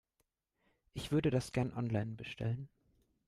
Ich würde das gerne online bestellen.